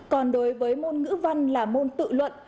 còn đối với môn ngữ văn là môn tự luận